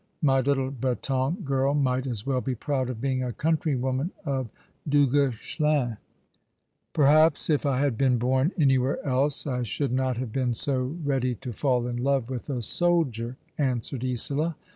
My little Breton girl might as well be proud of being a countrywoman of Duguesclin's." "Perhaps if I had been born anywhere else I should not have been so ready to fall in love with a soldier," answered Isola.